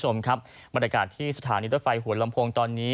คุณผู้ชมครับบรรยากาศที่สถานีรถไฟหัวลำโพงตอนนี้